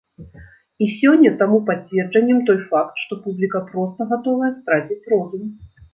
І сёння таму пацверджаннем той факт, што публіка проста гатовая страціць розум!